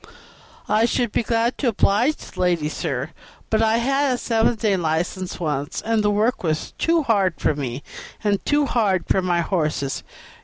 "I should be glad to oblige the lady, sir, but I had a seven days' license once, and the work was too hard for me, and too hard for my horses.